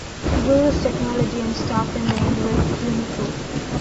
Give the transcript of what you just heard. Guru's technology and staff remained with Unicru.